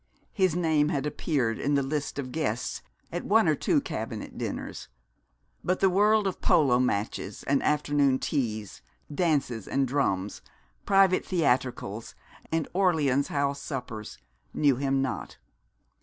His name had appeared in the list of guests at one or two cabinet dinners; but the world of polo matches and afternoon teas, dances and drums, private theatricals, and Orleans House suppers, knew him not.